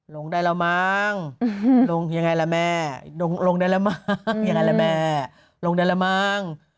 ลงได้แล้วมั้งลงยังไงล่ะแม่ลงได้แล้วมั้งลงได้แล้วมั้ง